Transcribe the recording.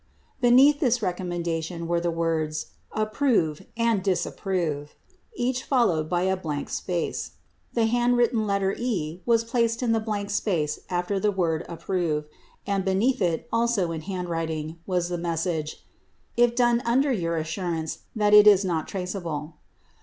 76 Beneath this recommendation were the words "Approve" and "Dis approve," each followed by a blank space. The handwritten letter "E" was placed in the blank space after the word "Approve" and beneath it, also in handwriting, was the message "if done under your assurance that it is not traceable."